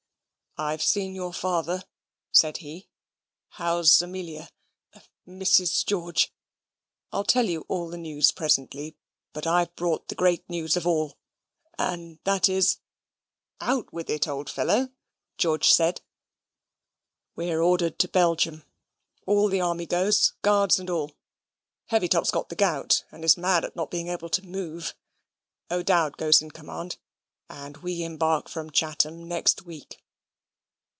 "I've seen your father," said he. "How's Amelia Mrs. George? I'll tell you all the news presently: but I've brought the great news of all: and that is " "Out with it, old fellow," George said. "We're ordered to Belgium. All the army goes guards and all. Heavytop's got the gout, and is mad at not being able to move. O'Dowd goes in command, and we embark from Chatham next week."